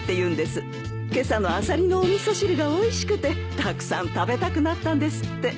今朝のアサリのお味噌汁がおいしくてたくさん食べたくなったんですって。